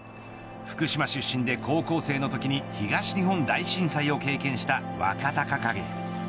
福島出身で高校生の時に東日本大震災を経験した若隆景。